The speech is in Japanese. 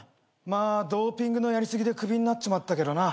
まあドーピングのやり過ぎでクビになっちまったけどな。